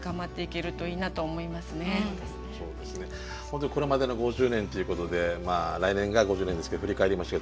本当にこれまでの５０年ということでまあ来年が５０年ですけど振り返りました。